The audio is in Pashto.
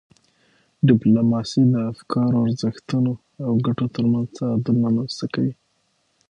ډیپلوماسي د افکارو، ارزښتونو او ګټو ترمنځ تعادل رامنځته کوي.